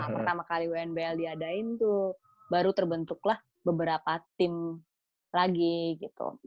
pertama kali unbl diadain tuh baru terbentuklah beberapa tim lagi gitu